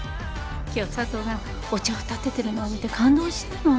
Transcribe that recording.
今日佐都がお茶をたててるのを見て感動したの。